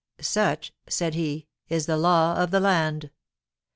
"Such," said he, "is the law of the land.